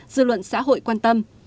dư luận xã hội quan tâm